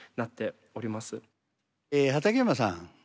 え畠山さん